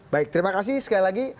baik terima kasih sekali lagi